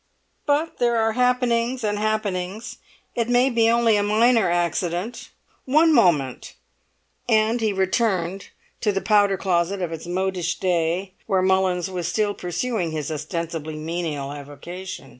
"But there are happenings and happenings; it may be only a minor accident. One moment!" And he returned to the powder closet of its modish day, where Mullins was still pursuing his ostensibly menial avocation.